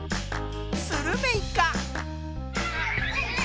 スルメイカ。